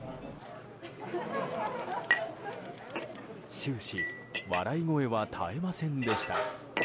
終始、笑い声は絶えませんでした。